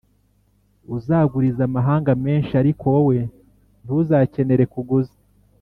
Uzaguriza amahanga menshi ariko wowe ntuzakenera kuguza.